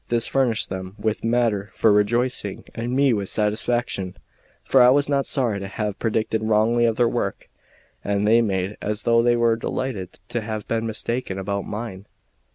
This furnished them with matter for rejoicing and me with satisfaction; for I was not sorry to have predicted wrongly of their work, and they made as though they were delighted to have been mistaken about mine.